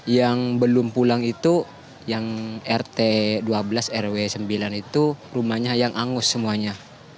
yang belum pulang itu yang rt dua belas rw sembilan itu rumahnya yang angus semuanya